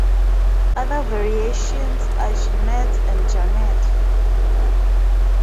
Other variations are Janette and Janet.